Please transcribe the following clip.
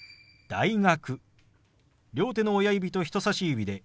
「大学」。